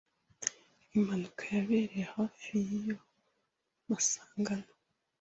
Impanuka yabereye hafi yiyo masangano.